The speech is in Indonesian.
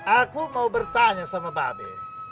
aku mau bertanya sama mbak be